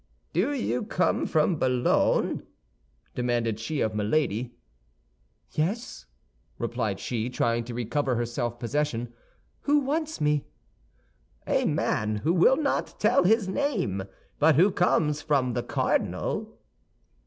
"Did you come from Boulogne?" demanded she of Milady. "Yes," replied she, trying to recover her self possession. "Who wants me?" "A man who will not tell his name, but who comes from the cardinal."